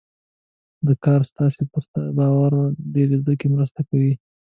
دا کار ستاسې په ځان باور ډېرېدو کې مرسته کوي.